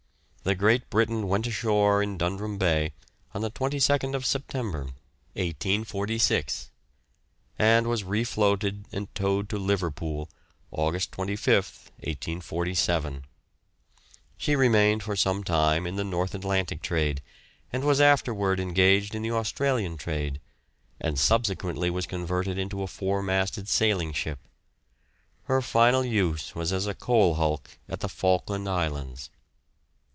The "Great Britain" went ashore in Dundrum Bay on the 22nd September, 1846, and was refloated and towed to Liverpool, August 25th, 1847. She remained for some time in the North Atlantic trade, was afterwards engaged in the Australian trade, and subsequently was converted into a four masted sailing ship. Her final use was as a coal hulk at the Falkland Islands.